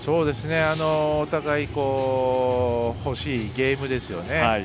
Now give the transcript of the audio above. お互い欲しいゲームですよね。